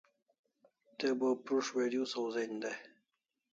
Te bo prus't video sawzen day